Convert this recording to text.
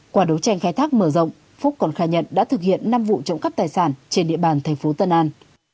qua đấu tranh khai thác mở rộng phúc còn khai nhận đã thực hiện năm vụ trộm cắp tài sản trên địa bàn thành phố tân an